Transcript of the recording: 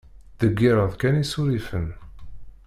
Ttdeggireɣ kan isurifen.